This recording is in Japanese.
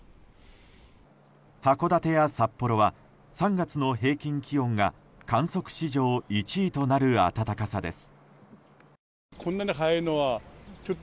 函館や札幌は３月の平均気温が観測史上１位となる暖かさです。